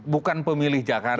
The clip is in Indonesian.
bukan pemilih jakarta